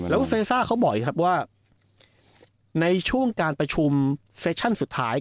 แล้วก็เซซ่าเขาบอกอีกครับว่าในช่วงการประชุมเซชั่นสุดท้าย